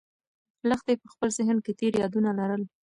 لښتې په خپل ذهن کې تېر یادونه لرل.